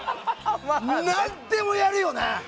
何でもやるよな。